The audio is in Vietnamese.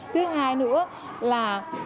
thứ hai nữa là